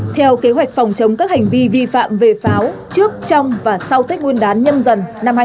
theo kế hoạch phòng chống các hành vi vi phạm về pháo trước trong và sau tết nguyên đán nhâm dần